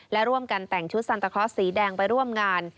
และร่วมกันแต่งชุดซันตะเคราะห์สีแดงไปร่วมงาน